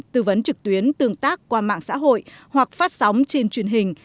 tư vấn trực tuyến tương tác qua mạng xã hội hoặc phát sóng trên truyền hình